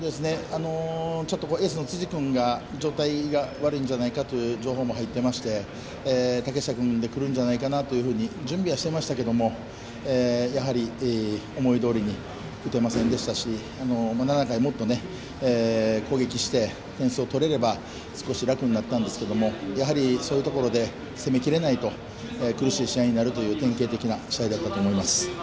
エースの辻君の状態が悪いんじゃないかという情報も入っていまして竹下君でくるんじゃないかと準備はしていましたけどやはり、思いどおりに打てませんでしたし７回、もっと攻撃して点数を取れれば少し楽になったんですけどやはり、そういうところで攻めきれないと苦しい試合になるという典型的な試合だったと思います。